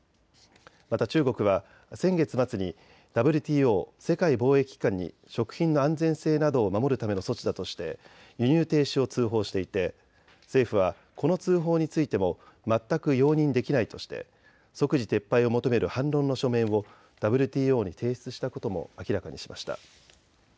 また中国は先月末にＷＴＯ・世界貿易機関に食品の安全性などを守るための措置だとして輸入停止を通報していて政府はこの通報についても全く容認できないとして即時撤廃を求める反論の書面をＷＴＯに提出したことも明らかにしました。